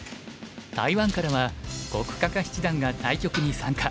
台湾からは黒嘉嘉七段が対局に参加。